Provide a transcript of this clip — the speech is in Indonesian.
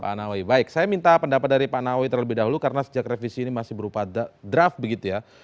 pak nawawi baik saya minta pendapat dari pak nawi terlebih dahulu karena sejak revisi ini masih berupa draft begitu ya